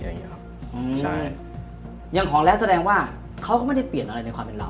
อืมใช่อย่างของแล้วแสดงว่าเขาก็ไม่ได้เปลี่ยนอะไรในความเป็นเรา